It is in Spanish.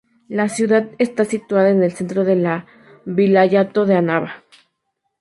La ciudad está situada en el centro de la vilayato de Annaba.